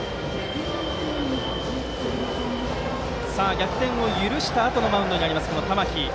逆転を許したあとのマウンドになる玉木。